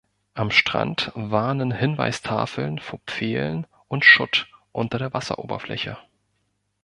Am Strand warnen Hinweistafeln vor Pfählen und Schutt unter der Wasseroberfläche.